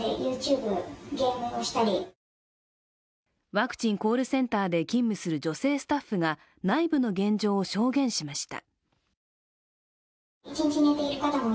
ワクチンコールセンターで勤務する女性スタッフが内部の現状を証言しました。